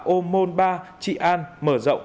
ô môn ba trị an mở rộng